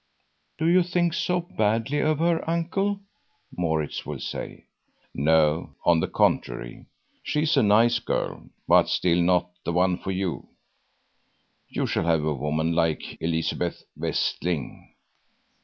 "Do you think so badly of her, uncle?" Maurits will say. "No, on the contrary; she is a nice girl, but still not the one for you. You shall have a woman like Elizabeth Westling.